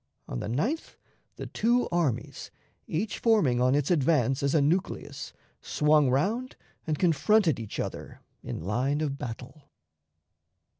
On the 9th the two armies, each forming on its advance as a nucleus, swung round and confronted each other in line of battle.